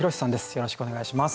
よろしくお願いします。